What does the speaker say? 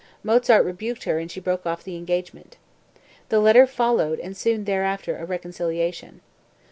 Mozart rebuked her and she broke off the engagement. The letter followed and soon thereafter a reconciliation.